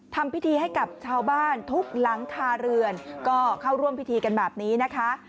ทำพิธีให้กับชาวบ้านทุกหลังคาเรือนก็เข้าร่วมพิธีกันแบบนี้นะคะ